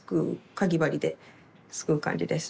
かぎ針ですくう感じです。